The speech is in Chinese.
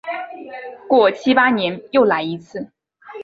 过七八年又来一次。